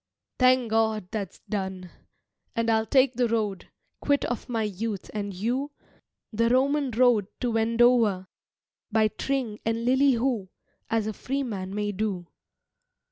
Thank God, that's done! and I'll take the road, Quit of my youth and you, The Roman road to Wendover By Tring and Lilley Hoo, As a free man may do.